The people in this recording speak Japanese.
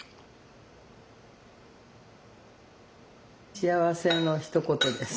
幸せのひと言です。